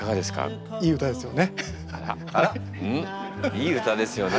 いい歌ですよね？